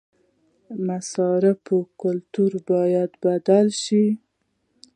مصرفي کلتور باید بدل شي